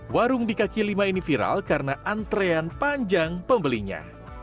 warung di kaki lima ini viral karena antrean panjang pembelinya